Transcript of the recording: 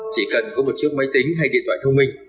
chỉ cần có một chiếc máy tính hay điện thoại thông minh